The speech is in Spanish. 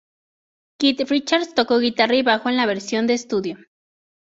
Keith Richards tocó guitarra y bajo en la versión de estudio.